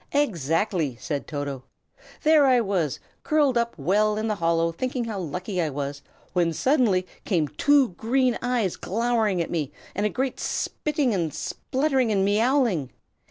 "Exactly!" said Toto. "There I was, curled up well in the hollow, thinking how lucky I was, when suddenly came two green eyes glowering at me, and a great spitting and spluttering and meowling.